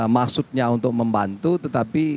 maksudnya untuk membantu tetapi